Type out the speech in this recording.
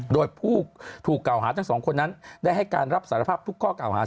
โดยผู้ถูกกล่าวหาทั้งสองคนนั้นได้ให้การรับสารภาพทุกข้อเก่าหา